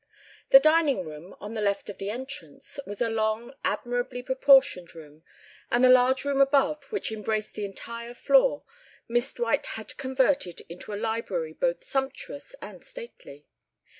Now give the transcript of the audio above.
The dining room, on the left of the entrance, was a long admirably proportioned room, and the large room above, which embraced the entire floor, Miss Dwight had converted into a library both sumptuous and stately.